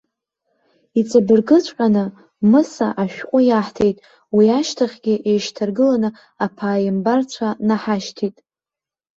Иҵабыргыҵәҟьаны, Мыса ашәҟәы иаҳҭеит. Уи ашьҭахьгьы еишьҭаргыланы аԥааимбарцәа наҳашьҭит.